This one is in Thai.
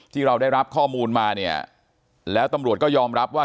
ที่เราได้รับข้อมูลมาเนี่ยแล้วตำรวจก็ยอมรับว่า